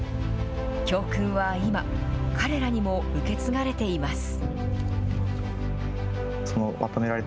教訓は今、彼らにも受け継がれています。